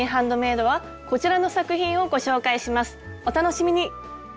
お楽しみに！